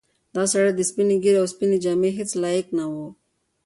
دا سړی د سپینې ږیرې او سپینې جامې هیڅ لایق نه و.